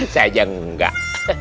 saya aja enggak